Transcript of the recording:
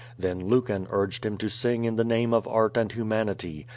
Then Lucan urged him to sing in the name of art and hu manity.